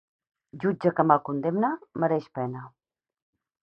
Jutge que mal condemna, mereix pena.